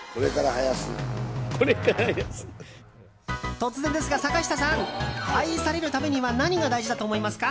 突然ですが、坂下さん愛されるためには何が大事だと思いますか？